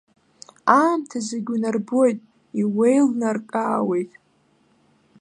Аамҭа зегь унарбоит, иуеилнаркаауеит.